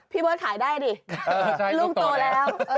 พี่เบิร์ตขายได้ดิลูกโตแล้ว